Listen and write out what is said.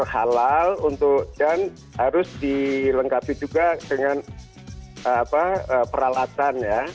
halal dan harus dilengkapi juga dengan peralatan ya